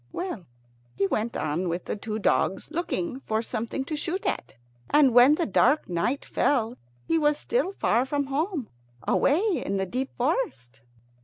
Well, he went on with the two dogs, looking for something to shoot at; and when the dark night fell he was still far from home, away in the deep forest.